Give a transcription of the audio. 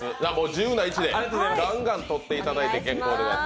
自由な位置でガンガン撮っていただいて結構です。